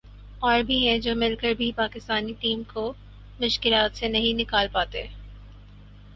اور بھی ہیں جو مل کر بھی پاکستانی ٹیم کو مشکلات سے نہیں نکال پاتے ۔